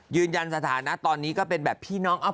ยืนยันสถานะตอนนี้ก็เป็นแบบพี่น้องอ๊อ